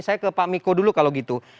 saya ke pak miko dulu kalau gitu